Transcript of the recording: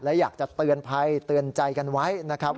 และอยากจะเตือนใจกันไว้นะครับ